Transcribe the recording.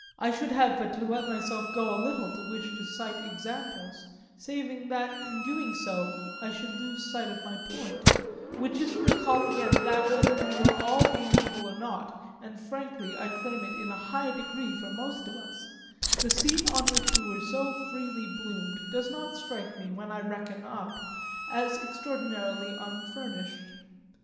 I should have but to let myself go a little to wish to cite examples save that in doing so I should lose sight of my point; which is to recall again that whether we were all amiable or not (and, frankly, I claim it in a high degree for most of us) the scene on which we so freely bloomed does strike me, when I reckon up, as extraordinarily unfurnished.